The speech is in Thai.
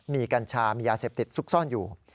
มีกัญชามียาเสพติดซุกซ่อนอยู่